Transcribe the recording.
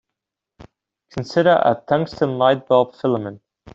Consider a tungsten light-bulb filament.